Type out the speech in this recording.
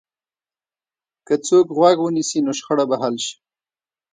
که څوک غوږ ونیسي، نو شخړه به حل شي.